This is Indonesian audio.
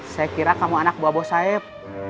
saya kira kamu anak buah bos saeb